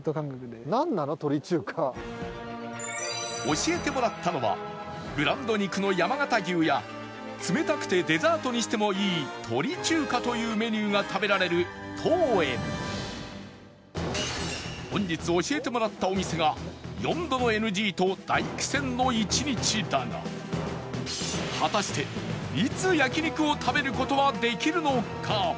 教えてもらったのはブランド肉の山形牛や冷たくてデザートにしてもいい鳥中華というメニューが食べられる桃園本日教えてもらったお店が４度の ＮＧ と大苦戦の１日だが果たしていつ焼肉を食べる事はできるのか？